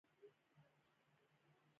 یو بل هغه په ګیډه وواهه.